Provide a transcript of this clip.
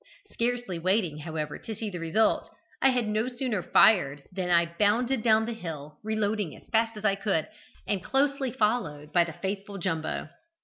Scarcely waiting, however, to see the result, I had no sooner fired than I bounded down the hill, reloading as fast as I could, and closely followed by the faithful Jumbo.